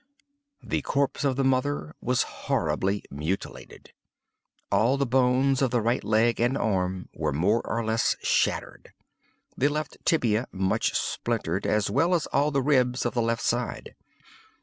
The corpse of the mother was horribly mutilated. All the bones of the right leg and arm were more or less shattered. The left tibia much splintered, as well as all the ribs of the left side.